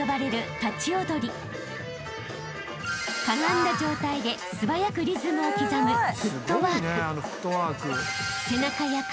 ［かがんだ状態で素早くリズムを刻む］